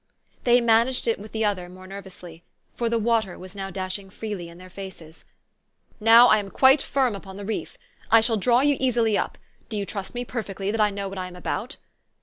They managed it with the other more nervously, for the water was now dashing freely in their faces. 82 THE STORY OF AVIS. " Now I am quite firm upon the reef. I shall draw you easily up. Do you trust me perfectly that I know what I am about?